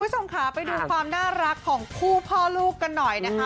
คุณผู้ชมค่ะไปดูความน่ารักของคู่พ่อลูกกันหน่อยนะคะ